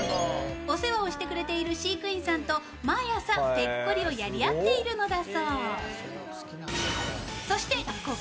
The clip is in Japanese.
お世話をしてくれている飼育員さんと毎朝ペッコリをやりあっているのだそう。